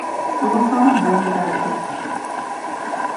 Ama sahiden bir erkek.